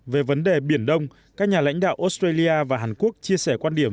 về vấn đề biển đông các nhà lãnh đạo australia và hàn quốc chia sẻ quan điểm